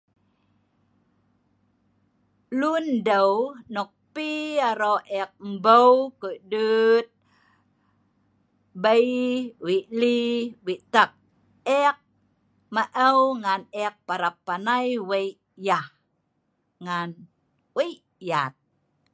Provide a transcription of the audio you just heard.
lundeu nok pi arok ek mbeu kudut bei, weik li, weik tak. ek maeu ngan ek parap panai weik yah ngan wei yat